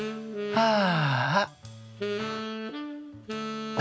ああ。